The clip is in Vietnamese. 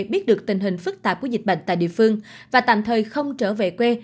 biết được tình hình phức tạp của dịch bệnh tại địa phương và tạm thời không trở về quê